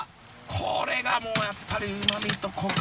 これがもうやっぱりうまみとコク。